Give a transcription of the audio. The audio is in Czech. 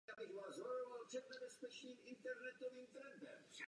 Výše zmínění se také stali členy prvního odborného poradního týmu.